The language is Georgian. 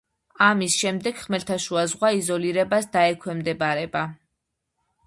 ამის შემდეგ ხმელთაშუა ზღვა იზოლირებას დაექვემდებარება.